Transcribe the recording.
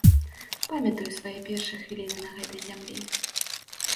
Памятаю свае першыя хвіліны на гэтай зямлі.